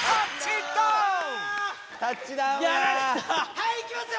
はいいきますよ！